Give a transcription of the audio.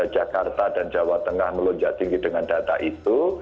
jakarta dan jawa tengah melonjak tinggi dengan data itu